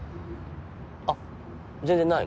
あっ全然ないの？